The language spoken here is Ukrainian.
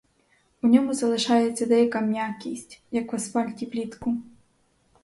У ньому залишається деяка м'якість, як в асфальті влітку.